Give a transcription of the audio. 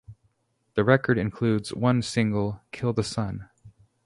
The record includes one single, "Kill the Sun".